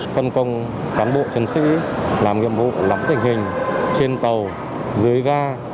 phân công cán bộ chiến sĩ làm nhiệm vụ lắm tình hình trên tàu dưới ga